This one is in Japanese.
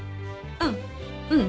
うんうん。